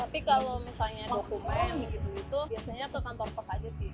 tapi kalau misalnya dokumen gitu gitu biasanya ke kantor pos aja sih